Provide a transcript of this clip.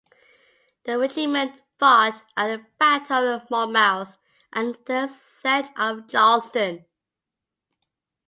The regiment fought at the Battle of Monmouth and the Siege of Charleston.